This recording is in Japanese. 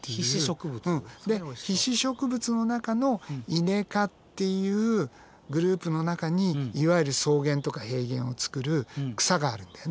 うんで被子植物の中のイネ科っていうグループの中にいわゆる草原とか平原をつくる草があるんだよね。